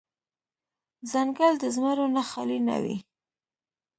ـ ځنګل د زمرو نه خالې نه وي.